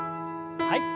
はい。